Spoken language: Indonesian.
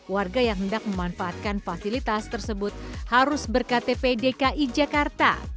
warga yang hendak memanfaatkan fasilitas tersebut harus berktp dki jakarta